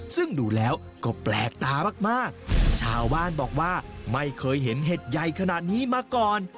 ซึ่งดูแล้วก็แปลกตามากชาวบ้านบอกว่าไม่เคยเห็นเห็ดใหญ่ขนาดนี้มาก่อน